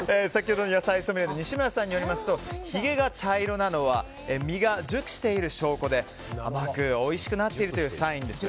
野菜ソムリエの西村さんによりますとひげが茶色なのは実が熟している証拠で甘くおいしくなっているというサインです。